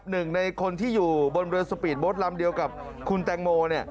หนึ่งในคนที่อยู่บนเรือสปีดโบ๊ทลำเดียวกับคุณแตงโม